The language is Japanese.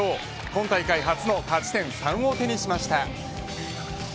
今大会初の勝ち点３を手にしました。